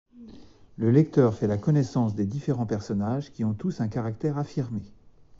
Le lecteur fait la connaissance des différents personnages, qui ont tous un caractère affirmé.